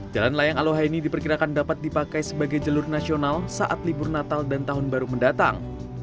jalan layang aloha ini diperkirakan dapat dipakai sebagai jalur nasional saat libur natal dan tahun baru mendatang